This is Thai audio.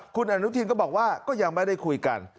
คุณอนุทินก็บอกว่าก็ยังไม่ได้คุยกัน